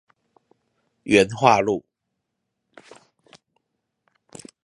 元化路